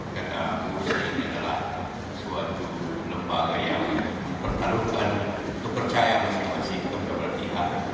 karena muslim ini adalah suatu lembaga yang bertarungkan untuk percaya masing masing kepercayaan